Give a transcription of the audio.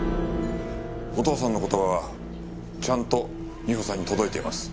お父さんの言葉はちゃんと美穂さんに届いています。